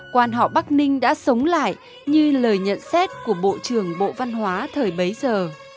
quan họ bắc ninh đã sống lại như lời nhận xét của bộ trưởng bộ văn hóa thời bấy giờ